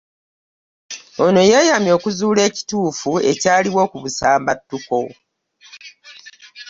Ono yeeyamye okuzuula ekituufu ekyaliwo ku busambattuko